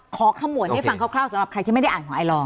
ขมวดให้ฟังคร่าวสำหรับใครที่ไม่ได้อ่านของไอลอร์